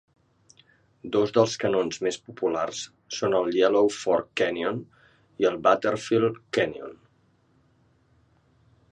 Dos dels canons més populars són el Yellow Fork Canyon i el Butterfield Canyon.